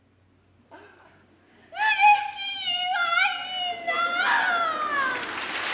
うれしいわいなァ。